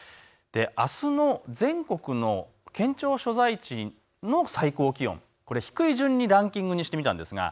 あすの全国の県庁所在地の最高気温、低い順にランキングにしてみました。